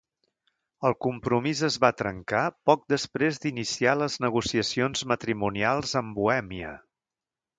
El compromís es va trencar poc després d'iniciar les negociacions matrimonials amb Bohèmia.